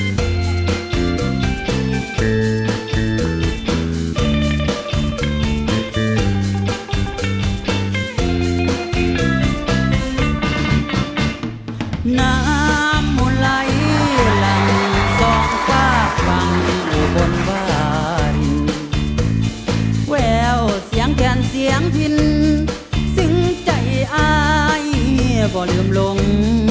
น้ำหมุนไหลหลังสองฟ้าฟังอุบลบาริแววเสียงแทนเสียงพินสิ้นใจอายบ่ลืมลง